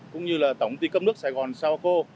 cũng như là tổng ty cấp nước sài gòn sao cô